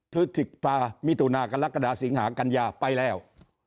พฤษภามิถุนากรกฎาสิงหากัญญาไปแล้ว